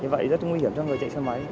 vậy rất nguy hiểm cho người chạy xe máy